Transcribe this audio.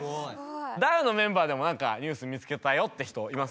ダウのメンバーでも何かニュース見つけたよって人います？